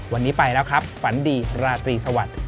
วันนี้ไปแล้วครับฝันดีราตรีสวัสดิ์